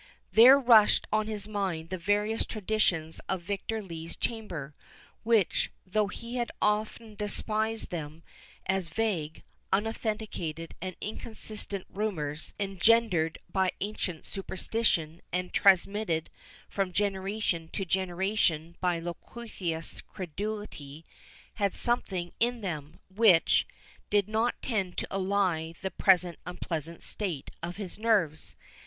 There rushed on his mind the various traditions of Victor Lee's chamber, which, though he had often despised them as vague, unauthenticated, and inconsistent rumours, engendered by ancient superstition, and transmitted from generation to generation by loquacious credulity, had something in them, which, did not tend to allay the present unpleasant state of his nerves.